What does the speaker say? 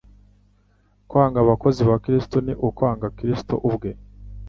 Kwanga abakozi ba Kristo ni ukwanga Kristo ubwe.